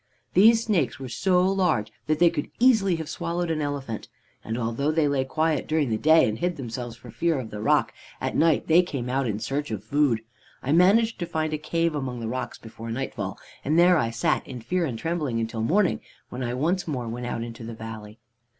"These snakes were so large that they could easily have swallowed an elephant, and although they lay quiet during the day, and hid themselves for fear of the roc, at night they came out in search of food. I managed to find a cave among the rocks before nightfall, and there I sat in fear and trembling until morning, when I once more went out into the valley.